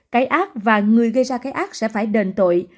cái ác và người gây ra cái ác sẽ phải đền tội